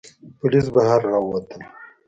پوليس بهر را ووتل.